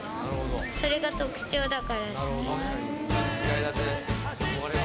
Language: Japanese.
それが特徴だから好き。